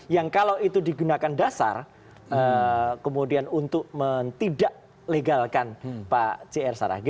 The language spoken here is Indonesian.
yang kalau itu digunakan dasar kemudian untuk tidak legalkan pak c r saraghe